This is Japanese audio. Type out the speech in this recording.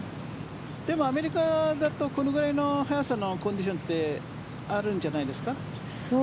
でもアメリカだとこのくらいの速さのコンディションってあるんじゃないですか。